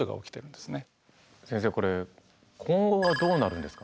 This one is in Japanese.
先生これ今後はどうなるんですか？